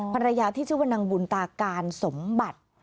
ภรรยาที่ชื่อว่านางบุญตาการสมบัติ